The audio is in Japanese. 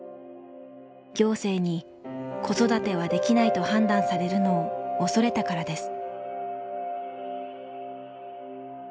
行政に子育てはできないと判断されるのを恐れたからです。